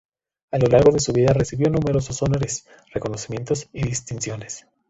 A lo largo de su vida recibió numerosos honores, reconocimientos y distinciones.